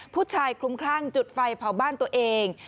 คลุ้มคลั่งจุดไฟเผาบ้านตัวเอง